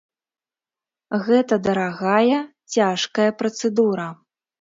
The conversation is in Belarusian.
Гэта дарагая, цяжкая працэдура.